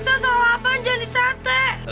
saya salah apaan jadi sate